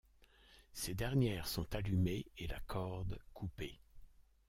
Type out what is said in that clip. Ces dernières sont allumées et la corde coupée.